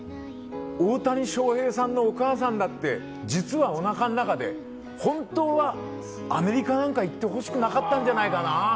大谷翔平さんのお母さんだって実は、おなかの中で本当はアメリカなんか行ってほしくなかったんじゃないかな。